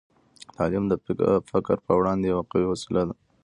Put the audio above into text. تعلیم د فقر په وړاندې یوه قوي وسله ده.